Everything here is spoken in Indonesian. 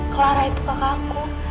clara itu kakak aku